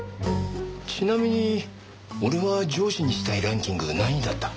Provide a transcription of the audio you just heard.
ちなみに俺は上司にしたいランキング何位だった？